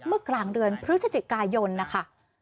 เมื่อกลางเดือนพฤศจิกายนนะคะ